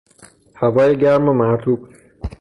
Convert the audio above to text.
هوای گرم و مرطوب